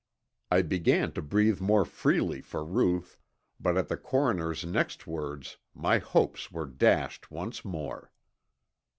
I began to breathe more freely for Ruth, but at the coroner's next words my hopes were dashed once more.